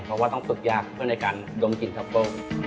เพราะว่าต้องฝึกยากเพื่อในการดมกลิ่นท็อปโป้ง